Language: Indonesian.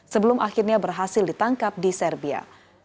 sebelum akhirnya berhasil ditangkap di serbia